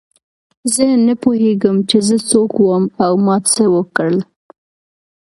زه نه پوهېږم چې زه څوک وم او ما څه وکړل.